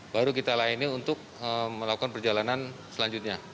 baru kita layani untuk melakukan perjalanan selanjutnya